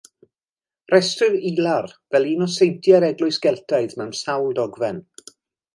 Rhestrir Ilar fel un o seintiau'r Eglwys Geltaidd mewn sawl dogfen.